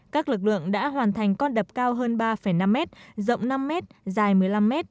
các lực lượng đã hoàn thành con đập cao hơn ba năm m rộng năm m dài một mươi năm m